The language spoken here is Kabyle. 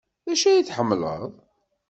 D acu ay tḥemmleḍ?